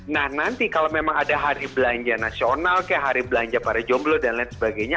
nah nanti kalau memang ada hari belanja nasional kek hari belanja para jomblo dan lain sebagainya